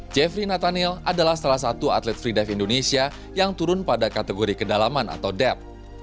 jeffrey natanil adalah salah satu atlet freedive indonesia yang turun pada kategori kedalaman atau dep